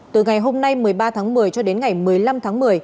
từ ngày hôm nay một mươi ba tháng một mươi cho đến ngày một mươi năm tháng một mươi